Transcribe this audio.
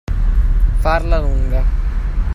Farla lunga.